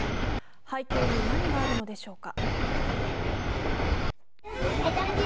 背景に何があるのでしょうか。